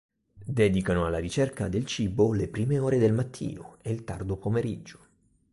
Dedicano alla ricerca del cibo le prime ore del mattino e il tardo pomeriggio.